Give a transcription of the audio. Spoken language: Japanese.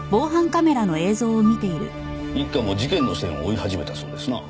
一課も事件の線を追い始めたそうですな。